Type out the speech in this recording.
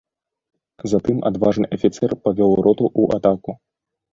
Затым адважны афіцэр павёў роту ў атаку.